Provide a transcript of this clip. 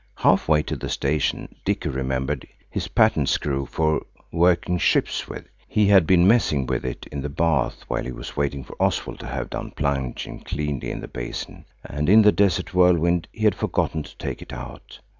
Half way to the station Dicky remembered his patent screw for working ships with. He had been messing with it in the bath while he was waiting for Oswald to have done plunging cleanly in the basin. And in the desert whirlwinding he had forgotten to take it out.